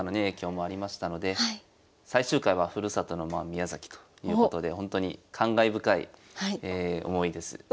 影響もありましたので最終回はふるさとの宮崎ということでほんとに感慨深い思いです。